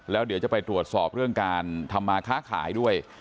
แล้วเดี๋ยวจะไปตรวจสอบเรื่องการทำมาค้าขายด้วย